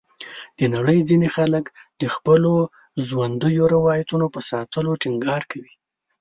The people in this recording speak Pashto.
د نړۍ ځینې خلک د خپلو ژوندیو روایتونو په ساتلو ټینګار کوي.